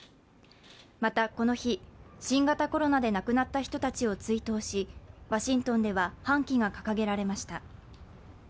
またこの日、新型コロナで亡くなった人たちを追悼し、ワシントンでは半旗が掲げられました。